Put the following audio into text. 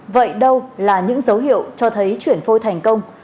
vậy đâu là những dấu hiệu cho thấy chuyển phôi thành công